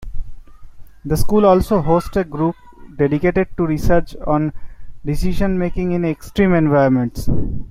The School also hosts a group dedicated to research on decision-making in extreme environments.